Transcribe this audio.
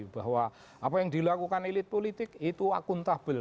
bahwa apa yang dilakukan elit politik itu akuntabel